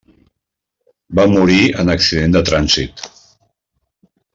Va morir en accident de trànsit.